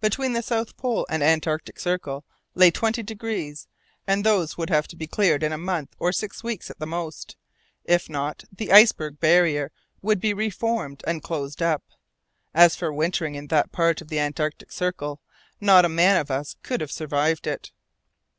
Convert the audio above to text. Between the south pole and antarctic circle lay twenty degrees, and those would have to be cleared in a month or six weeks at the most; if not, the iceberg barrier would be re formed and closed up. As for wintering in that part of the antarctic circle, not a man of us could have survived it.